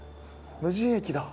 無人駅だ。